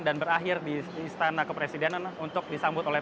dan berakhir di istana kepresidenan untuk disambut oleh